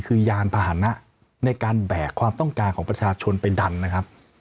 คือยานพาหนะในการแบกความต้องการของประชาชนไปดันนะครับ